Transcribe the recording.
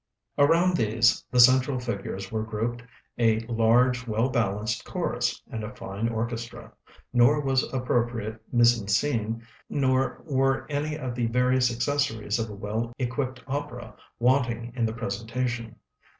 Around these, the central figures, were grouped a large, well balanced chorus, and a fine orchestra; nor was appropriate mise en sc├©ne, nor were any of the various accessories of a well equipped opera, wanting in the presentation.